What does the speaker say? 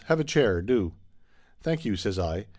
"Have a chair, do!" "Thank you," says I.